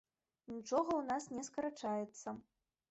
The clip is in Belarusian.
Нічога ў нас не скарачаецца!